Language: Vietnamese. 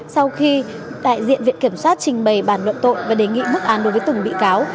sau khi đại diện viện kiểm soát trình bày bản luận tội và đề nghị mức án đối với từng bị cáo